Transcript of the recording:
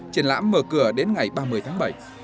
triển lãm mở cửa đến ngày ba mươi tháng bảy